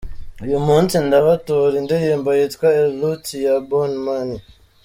Uyu munsi ndabatura indirimbo yitwa El Lute ya Boney M